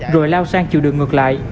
rồi lao sang chiều đường ngược lại